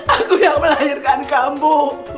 aku yang melahirkan kamu